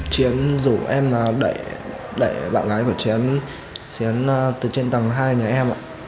chiến rủ em đẩy bạn gái của chiến chiến từ trên tầng hai nhà em ạ